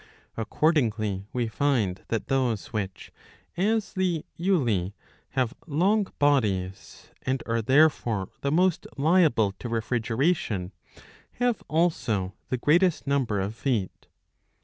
Accordingly we find that those which, as the^ Juli, have long bodies, and are there fore the most liable to refrigeration, have also the greatest number of feet.